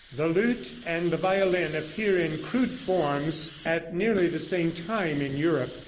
The lute and the violin appear in crude forms at nearly the same time in Europe.